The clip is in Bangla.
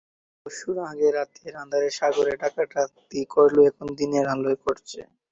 দস্যুরা আগে রাতের আঁধারে সাগরে ডাকাতি করলেও এখন দিনের আলোয় করছে।